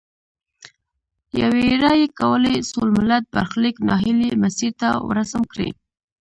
یوي رایې کولای سول ملت برخلیک نا هیلي مسیر ته ورسم کړي.